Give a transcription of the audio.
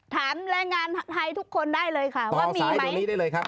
แรงงานไทยทุกคนได้เลยค่ะว่ามีไหมมีได้เลยครับ